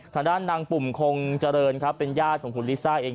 ทางด้านนางปุ่มคงเจริญครับเป็นญาติของคุณลิซ่าเอง